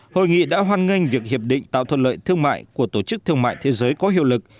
hội nghị đã hoan nghênh việc hiệp định tạo thuận lợi thương mại của tổ chức thương mại thế giới có hiệu lực